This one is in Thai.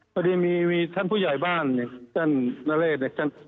พอดีมีท่านผู้ใหญ่บ้านนี่ท่านนาเลชน์